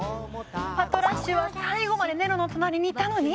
パトラッシュは最後までネロの隣にいたのに？